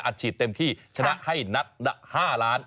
ฉีดเต็มที่ชนะให้นัดละ๕ล้าน